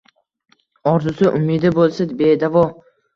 Orzusi, umidi bo‘lsa bedavo